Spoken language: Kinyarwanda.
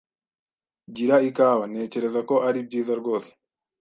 Gira ikawa. Ntekereza ko ari byiza rwose.